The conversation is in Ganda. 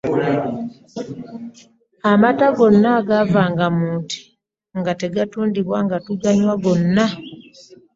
Amata gonna agaavanga mu nte nga tegatundibwa nga tuganywa gonna.